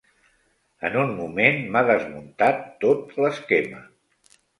En un moment m'ha desmuntat tot l'esquema.